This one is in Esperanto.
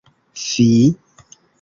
Fi!